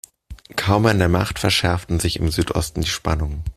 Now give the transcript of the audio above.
Kaum an der Macht, verschärften sich im Südosten die Spannungen.